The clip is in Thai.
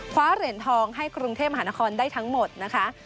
คว้าเหรียญทองให้กรุงเทพมหานครได้ทั้งหมดนะคะ